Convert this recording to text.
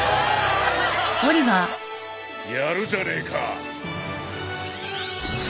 やるじゃねえか。